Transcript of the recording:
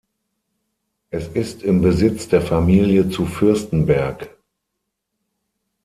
Es ist im Besitz der Familie zu Fürstenberg.